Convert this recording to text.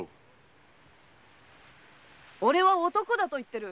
俺は男だと言っている。